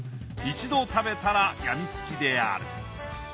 一度食べたらやみつきである。